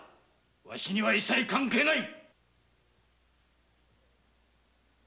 ワシには一切関係ない。